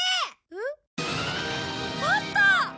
えっ？あった！